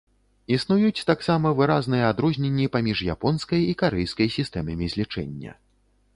Існуюць таксама выразныя адрозненні паміж японскай і карэйскай сістэмамі злічэння.